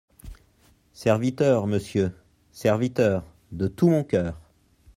Serviteur, monsieur, serviteur, de tout mon cœur.